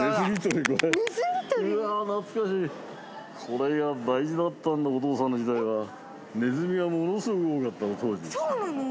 これが大事だったんだお父さんの時代はネズミがものすごく多かったの当時そうなの？